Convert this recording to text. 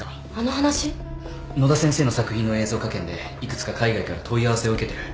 野田先生の作品の映像化権で幾つか海外から問い合わせを受けてる。